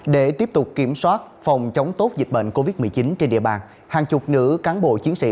để tiếp tục kiểm soát phòng chống tốt dịch bệnh covid một mươi chín trên địa bàn hàng chục nữ cán bộ chiến sĩ